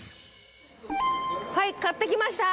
はい買ってきました。